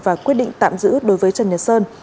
và quyết định tạm giữ đối với trần nhật sơn